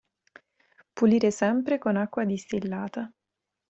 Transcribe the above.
Pulire sempre con acqua distillata.